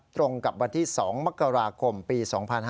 ตรงกับวันที่๒มกราคมปี๒๕๕๙